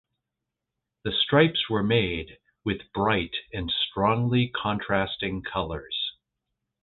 The stripes were made with bright and strongly contrasting colors.